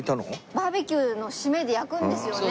バーベキューの締めで焼くんですよね